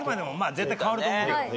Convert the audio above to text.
絶対変わると思うけど。